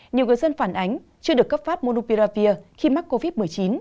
nhiều người dân phản ánh chưa được cấp phát monupirapir khi mắc covid một mươi chín